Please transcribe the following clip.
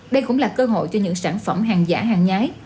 đây cũng là cơ hội cho những sản phẩm hàng giả hàng nhái